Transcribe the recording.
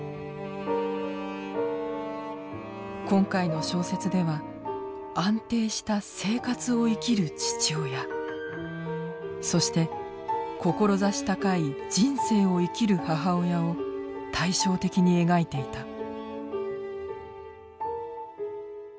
今回の小説では安定した「生活」を生きる父親そして志高い「人生」を生きる母親を対照的に描いていた。